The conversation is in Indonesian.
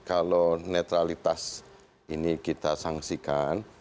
kalau netralitas ini kita sangsikan